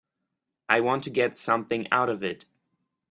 I want to get something out of it.